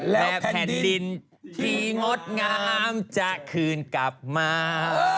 และแผ่นดินที่งดงามจะคืนกลับมา